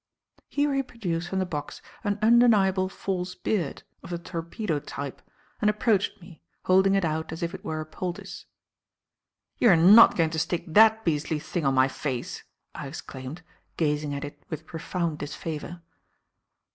Here he produced from the box an undeniable false beard of the torpedo type and approached me, holding it out as if it were a poultice. "You are not going to stick that beastly thing on my face!" I exclaimed, gazing at it with profound disfavour.